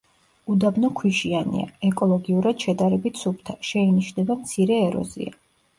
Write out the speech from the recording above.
უდაბნო ქვიშიანია, ეკოლოგიურად შედარებით სუფთა, შეინიშნება მცირე ეროზია.